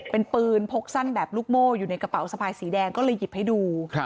เป็นปืนพกสั้นแบบลูกโม่อยู่ในกระเป๋าสะพายสีแดงก็เลยหยิบให้ดู